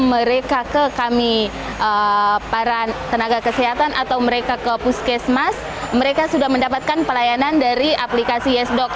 mereka ke kami para tenaga kesehatan atau mereka ke puskesmas mereka sudah mendapatkan pelayanan dari aplikasi yesdoc